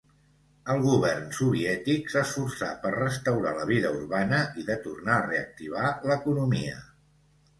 El govern soviètic s'esforçà per restaurar la vida urbana i de tornar a reactivar l'economia.